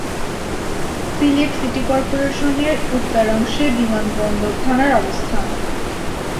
Sylhet city কর্পোরেশনের উত্তরাংশে বিমানবন্দর থানার অবস্থান।